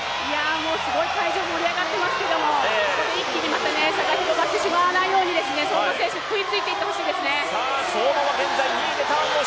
すごい会場盛り上がっていますけれども、ここで一気に差が広がってしまわないように相馬選手食いついていってほしいですね。